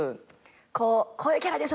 こういうキャラです